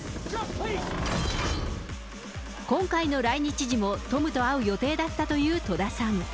今回の来日時も、トムと会う予定だったという戸田さん。